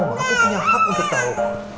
aku punya hak untuk tau